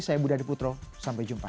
saya budha diputro sampai jumpa